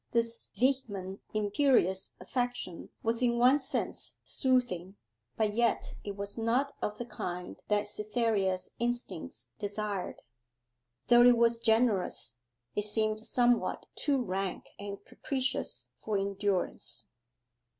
This vehement imperious affection was in one sense soothing, but yet it was not of the kind that Cytherea's instincts desired. Though it was generous, it seemed somewhat too rank and capricious for endurance.